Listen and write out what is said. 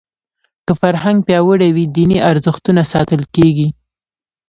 که فرهنګ پیاوړی وي دیني ارزښتونه ساتل کېږي.